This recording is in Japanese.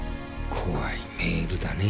怖いメールだね。